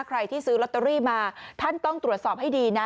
ใครที่ซื้อลอตเตอรี่มาท่านต้องตรวจสอบให้ดีนะ